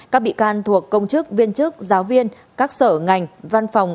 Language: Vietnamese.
các bị can thuộc công chức viên chức giáo viên các sở ngành văn phòng